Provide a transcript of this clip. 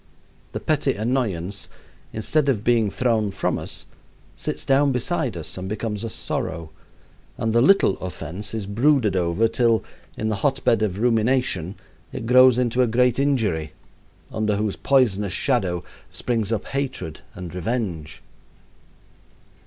The petty annoyance, instead of being thrown from us, sits down beside us and becomes a sorrow, and the little offense is brooded over till, in the hot bed of rumination, it grows into a great injury, under whose poisonous shadow springs up hatred and revenge.